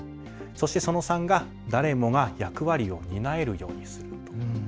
そして、その３が誰もが役割を担えるようにすること。